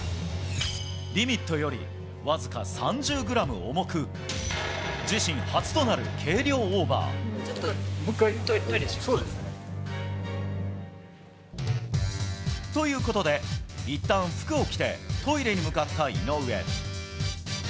リミットより僅か３０グラムちょっと、トイレ行ってきます。ということで、いったん服を着て、トイレに向かった井上。